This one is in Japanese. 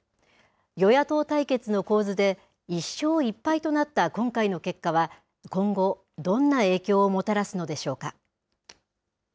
与野党対決の構図で、１勝１敗となった今回の結果は、今後、どんな影響をもたらすのでしょうか。